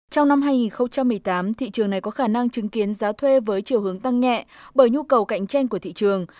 trong năm hai nghìn một mươi tám thị trường này có khả năng chứng kiến giá thuê với chiều hướng tăng nhẹ bởi nhu cầu cạnh tranh của thị trường